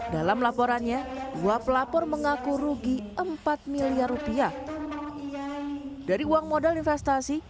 dalam laporannya uap lapor mengaku rugi empat miliar rupiah dari uang modal investasi